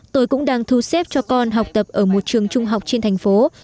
tôi cũng đang thu xếp cho con học tập ở một trường trung học trên thành phố